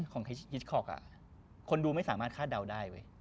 ของฮิชคอร์กคนดูไม่สามารถคาดเดาได้